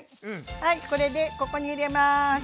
はいこれでここに入れます。